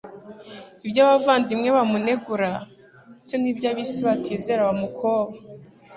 ibyo abavandimwe bamunegura ndetse n'ibyo ab'isi batizera bamukoba.